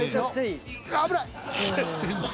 危ない。